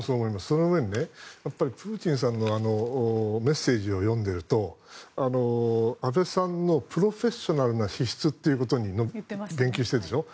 そのうえで、プーチンさんのメッセージを読んでいると安倍さんのプロフェッショナルな資質ということに言及してるでしょ。